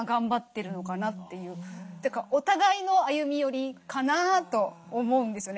お互いの歩み寄りかなと思うんですよね。